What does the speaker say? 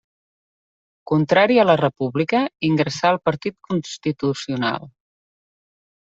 Contrari a la república, ingressà al Partit Constitucional.